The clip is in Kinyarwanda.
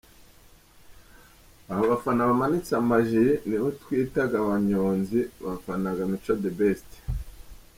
Aba bafana bamanitse amajiri nibo twitaga abanyonzi bafanaga Mico The Best.